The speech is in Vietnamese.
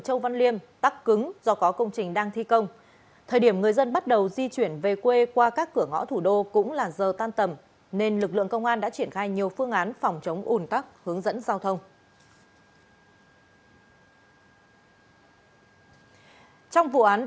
tòa nhân dân thành phố hà nội đã bắt đầu di chuyển về quê qua các cửa ngõ thủ đô